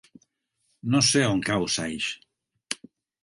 No sé on cau Saix.